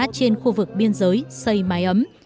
trên khu vực biên giới xây mái ấm